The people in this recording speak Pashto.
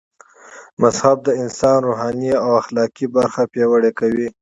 مذهب د انسان روحاني او اخلاقي برخه پياوړي کوي